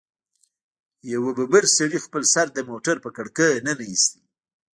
يوه ببر سري خپل سر د موټر په کړکۍ ننه ايست.